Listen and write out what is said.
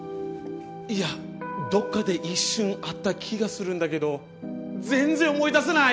いやどっかで一瞬会った気がするんだけど全然思い出せない。